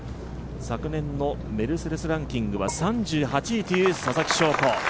昨年のメルセデスランキングは３８位というささきしょうこ。